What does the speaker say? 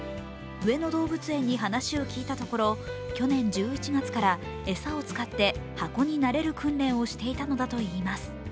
上野動物園に話を聞いたところ、去年１１月から、餌を使って箱になれる訓練をしていたのだといいます。